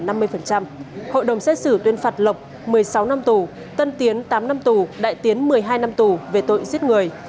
hội đồng xét xử tuyên phạt lộc một mươi sáu năm tù tân tiến tám năm tù đại tiến một mươi hai năm tù về tội giết người